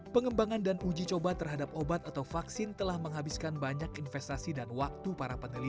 pengembangan dan uji coba terhadap obat atau vaksin telah menghabiskan banyak investasi dan waktu para peneliti